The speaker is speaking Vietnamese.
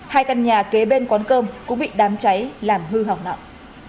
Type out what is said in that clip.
hai căn nhà kế bên quán cơm cũng bị đám cháy làm hư hỏng nặng